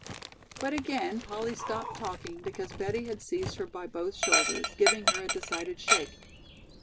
But again Polly stopped talking because Betty had seized her by both shoulders, giving her a decided shake.